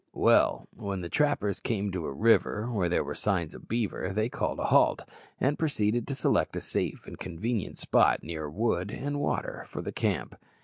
Well, when the trappers came to a river where there were signs of beaver they called a halt, and proceeded to select a safe and convenient spot, near wood and water, for the camp.